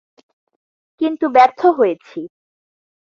কিন্তু ব্যর্থ হয়েছি।